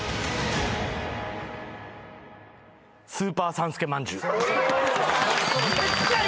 「スーパー３助まんじゅう」絶対嘘。